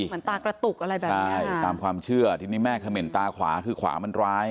เหมือนตากระตุกอะไรแบบนี้ใช่ตามความเชื่อทีนี้แม่เขม่นตาขวาคือขวามันร้าย